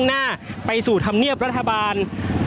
ก็น่าจะมีการเปิดทางให้รถพยาบาลเคลื่อนต่อไปนะครับ